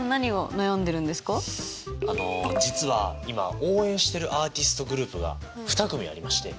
あの実は今応援してるアーティストグループが２組ありまして。